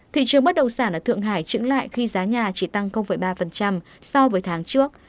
thị trường bất động sản ở thượng hải chứng lại khi giá nhà chỉ tăng ba so với tháng trước